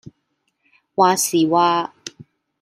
話時話